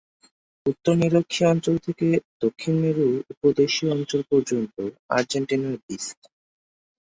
উত্তরের নিরক্ষীয় অঞ্চল থেকে দক্ষিণের মেরু-উপদেশীয় অঞ্চল পর্যন্ত আর্জেন্টিনার বিস্তার।